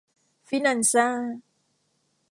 ฟินันซ่า